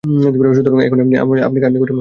সুতরাং এখন আপনি আমাকে কার নিকট যেতে অসীয়ত করছেন?